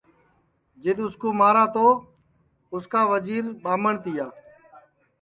جِدؔ اُس کُو مارہ تو اُس کا اُس کا ایک وزیر ٻرہامٹؔ جاتی کا تیا